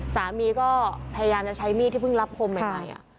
สามีก็พยายามจะใช้มีดที่เพิ่งรับคมใหม่